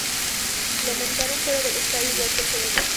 Lo montaron fuera del estadio, igual que el segundo.